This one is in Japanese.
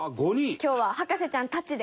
今日は博士ちゃんたちで。